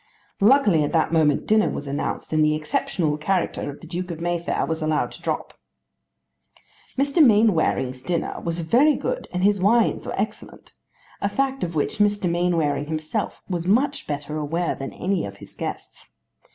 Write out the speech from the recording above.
Luckily at that moment dinner was announced, and the exceptional character of the Duke of Mayfair was allowed to drop. Mr. Mainwaring's dinner was very good and his wines were excellent, a fact of which Mr. Mainwaring himself was much better aware than any of his guests.